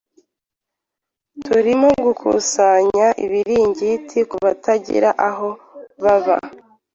Turimo gukusanya ibiringiti kubatagira aho baba.